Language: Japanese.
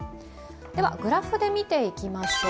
グラフで見ていきましょう。